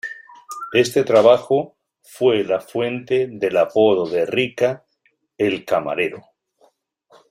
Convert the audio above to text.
Este trabajo fue la fuente del apodo de Ricca "El camarero".